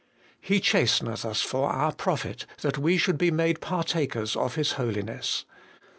' He chasteneth us for our profit, that we should be made partakers of His holiness.'